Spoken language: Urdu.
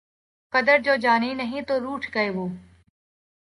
قدر جو جانی نہیں تو روٹھ گئے وہ